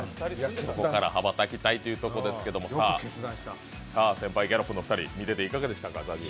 そこから羽ばたきたいということですけど、先輩ギャロップの２人、見てていかがでした？